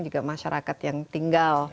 juga masyarakat yang tinggal